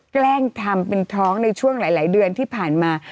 แกล้งทำเป็นท้องในช่วงหลายเดือนที่ผ่านมา